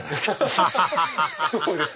ハハハハ！